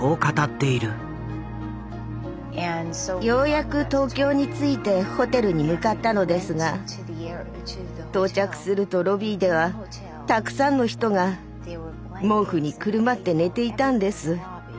ようやく東京に着いてホテルに向かったのですが到着するとロビーではたくさんの人が毛布にくるまって寝ていたんです。